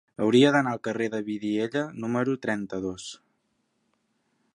Hauria d'anar al carrer de Vidiella número trenta-dos.